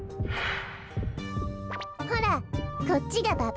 ほらこっちがババ？